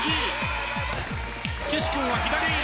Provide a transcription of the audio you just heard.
岸君は左。